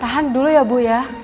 tahan dulu ya bu ya